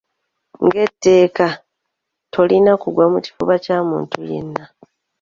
Ng’etteeka, tolina kugwa mu kifuba kya muntu yenna.